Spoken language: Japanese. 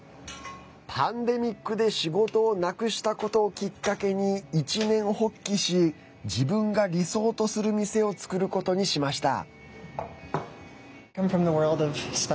パンデミックで仕事をなくしたことをきっかけに一念発起し、自分が理想とする店を作ることにしました。